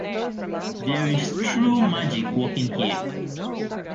There is true magic working here.